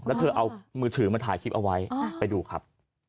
แล้วเธอเอามือถือมาถ่ายคลิปเอาไว้ไปดูครับ